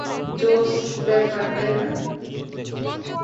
জোশ ব্যাপার, তাই না?